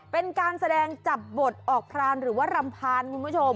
เป็นการแสดงจับบทออกพรานหรือว่ารำพาญคุณผู้ชม